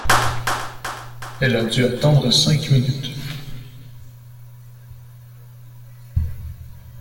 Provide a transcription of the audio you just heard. Elle a du attendre cinq minutes.